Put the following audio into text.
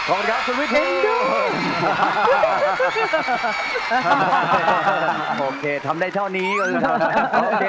โอเคทำได้เท่านี้ก็เลย